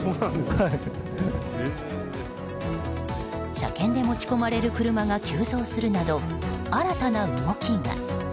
車検で持ち込まれる車が急増するなど、新たな動きが。